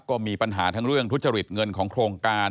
ก็มีปัญหาทั้งเรื่องทุจริตเงินของโครงการ